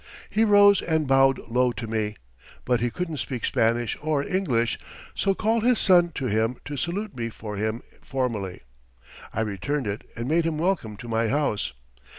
He rose and bowed low to me, but he couldn't speak Spanish or English, so called his son to him to salute me for him formally. I returned it and made him welcome to my house.